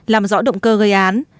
làm rõ động cơ gây án